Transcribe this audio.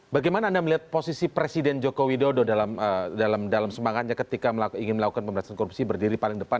bagaimana anda melihat posisi presiden joko widodo dalam semangatnya ketika ingin melakukan pemberantasan korupsi berdiri paling depan